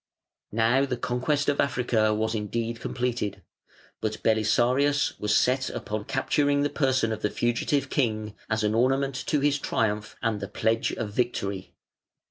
Now the conquest of Africa was indeed completed, but Belisarius was set upon capturing the person of the fugitive king, as an ornament to his triumph and the pledge of victory.